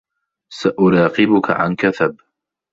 سأراقبك عن كثب.